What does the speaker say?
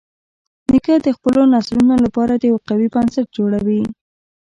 نیکه د خپلو نسلونو لپاره یو قوي بنسټ جوړوي.